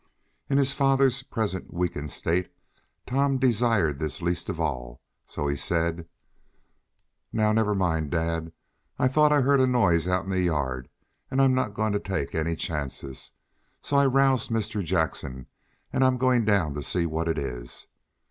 In his father's present weakened state Tom desired this least of all, so he said: "Now, never mind, dad. I thought I heard a noise out in the yard, and I'm not going to take any chances. So I roused Mr. Jackson, and I'm going down to see what it is.